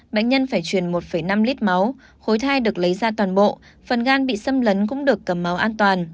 bệnh nhân phải truyền một năm lít máu khối thai được lấy ra toàn bộ phần gan bị xâm lấn cũng được cầm máu an toàn